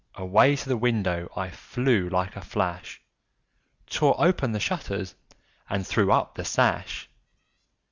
Away to the window I flew like a flash, Tore open the shutters and threw up the sash.